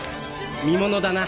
見ものだな。